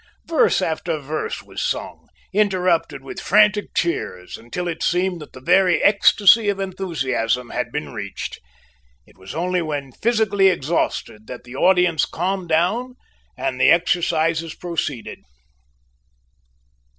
Verse after verse was sung, interrupted with frantic cheers, until it seemed that the very ecstasy of enthusiasm had been reached. It was only when physically exhausted that the audience calmed down and the exercises proceeded.